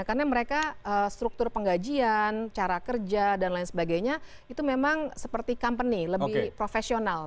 karena mereka struktur penggajian cara kerja dan lain sebagainya itu memang seperti company lebih profesional